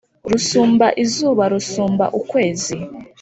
Rusumba izuba rusumba ukwezi